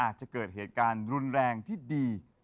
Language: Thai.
อาจจะเกิดเหตุการณ์รุนแรงที่ดี